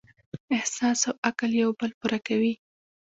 احساس او عقل یو بل پوره کوي.